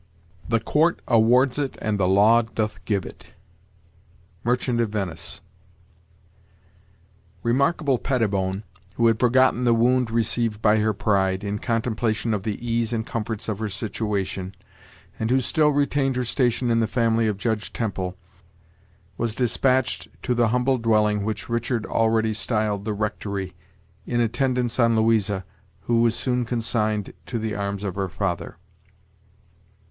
"The court awards it, and the law doth give it." Merchant of Venice. Remarkable Pettibone, who had forgotten the wound received by her pride, in contemplation of the ease and comforts of her situation, and who still retained her station in the family of judge Temple, was dispatched to the humble dwelling which Richard already styled "The Rectory," in attendance on Louisa, who was soon consigned to the arms of her father.